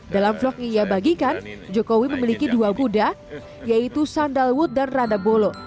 dalam vlog yang ia bagikan jokowi memiliki dua kuda yaitu sandalwood dan radabolo